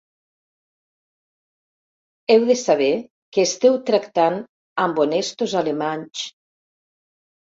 Heu de saber que esteu tractant amb honestos alemanys...